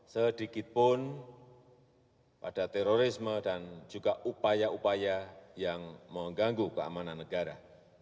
sedikitpun pada terorisme dan juga upaya upaya yang mengganggu keamanan negara